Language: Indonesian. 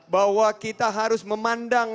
bahwa kita harus memandang